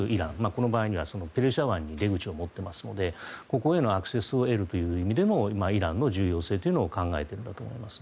この場合にはペルシャ湾に出口を持っていますのでここへのアクセスを得るという意味でもイランの重要性というのを考えているんだと思います。